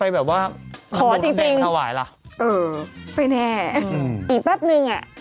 ไอคอลูกน้าดีตลอดจริง